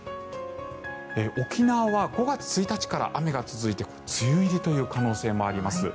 沖縄は５月１日から雨が続いて梅雨入りという可能性もあります。